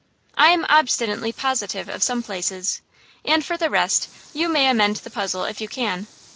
I am obstinately positive of some points, and for the rest, you may amend the puzzle if you can.